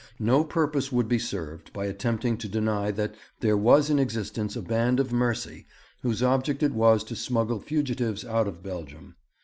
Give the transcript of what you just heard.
No purpose would be served by attempting to deny that there was in existence a Band of Mercy whose object it was to smuggle fugitives out of Belgium.